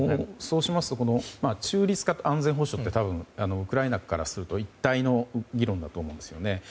そうしますと中立化と安全保障ってウクライナからすると一体の議論だと思うんですね。